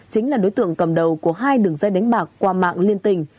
chính là đối tượng cầm đầu của hai đường dây đánh bạc qua mạng liên tình